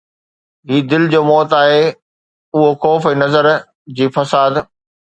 هي دل جو موت آهي، اهو خوف ۽ نظر جي فساد